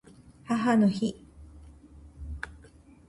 母の日